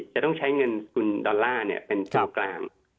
จะต้องใช้เงินคุณดอลลาร์เป็นศูนย์กลาง